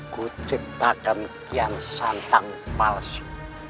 kucet bahkan kian santang palsu